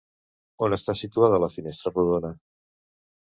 On està situada la finestra rodona?